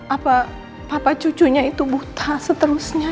apa papa cucunya itu buta seterusnya